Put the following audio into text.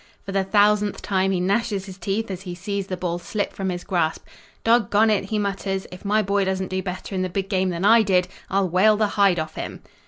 For the thousandth time he gnashes his teeth as he sees the ball slip from his grasp. "Dog gone it," he mutters, "if my boy doesn't do better in the big game than I did, I'll whale the hide off him!"